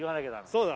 そうだ。